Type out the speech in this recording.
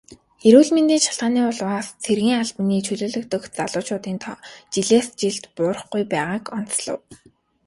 Эрүүл мэндийн шалтгааны улмаас цэргийн албанаас чөлөөлөгдөх залуучуудын тоо жилээс жилд буурахгүй байгааг онцлов.